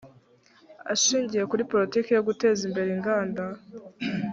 ashingiye kuri politiki yo guteza imbere inganda